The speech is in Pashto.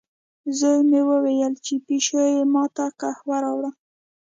زوی مې وویلې، چې پیشو یې ما ته قهوه راوړه.